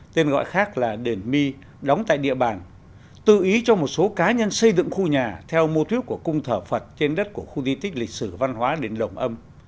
tên gọi khác là đền my đóng tại địa bàn tư ý cho một số cá nhân xây dựng khu nhà theo mô thuyết của cung thở phật trên đất của khu di tích lịch sử văn hóa đền đồng ân